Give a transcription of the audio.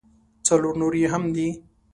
څلور نور یې مهم دي.